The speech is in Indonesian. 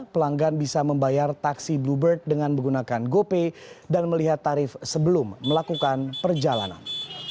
pelanggan bisa membayar taksi bluebird dengan menggunakan gopay dan melihat tarif sebelum melakukan perjalanan